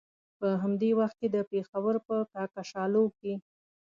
په همدې وخت کې د پېښور په کاکشالو کې.